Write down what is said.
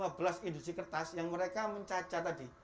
ada lima belas industri kertas yang mereka mencaca tadi